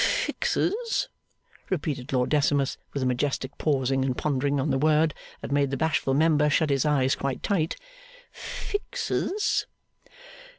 'Fixes?' repeated Lord Decimus, with a majestic pausing and pondering on the word that made the bashful Member shut his eyes quite tight. 'Fixes?